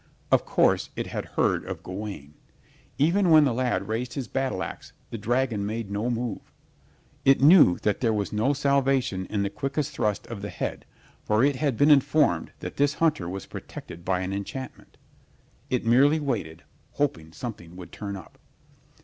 Of course it had heard of Gawaine. Even when the lad raised his battle ax the dragon made no move. It knew that there was no salvation in the quickest thrust of the head, for it had been informed that this hunter was protected by an enchantment. It merely waited, hoping something would turn up.